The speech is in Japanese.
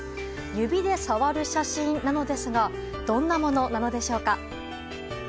指で触る写真なのですがどんなものなのでしょうか。